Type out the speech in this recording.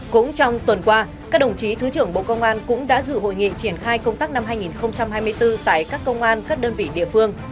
cũng trong tuần qua các đồng chí thứ trưởng bộ công an cũng đã dự hội nghị triển khai công tác năm hai nghìn hai mươi bốn tại các công an các đơn vị địa phương